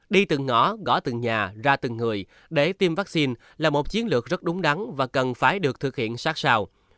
đi từng ngõ gõ từng nhà ra từng người để tiêm vaccine là một chiến lược rất đúng đắn và cần phải được thực hiện sát sao